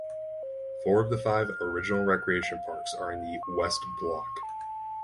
Four of the five original recreation parks are in the West Block.